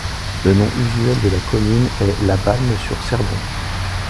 Le nom usuel de la commune est Labalme-sur-Cerdon.